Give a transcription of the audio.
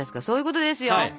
そういうことですよ。